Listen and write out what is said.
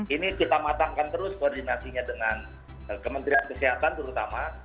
ini kita matangkan terus koordinasinya dengan kementerian kesehatan terutama